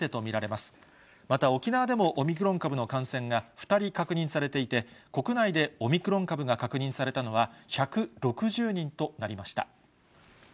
また、沖縄でも、オミクロン株の感染が２人確認されていて、国内でオミクロン株が確認されたのは１６０人となりました。